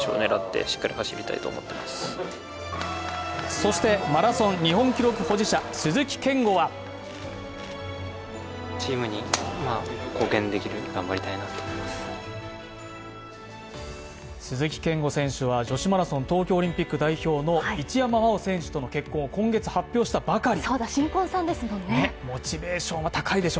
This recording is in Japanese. そしてマラソン日本記録保持者鈴木健吾は鈴木健吾選手は女子マラソン東京オリンピック代表の一山麻緒選手との結婚を今月発表したばかり。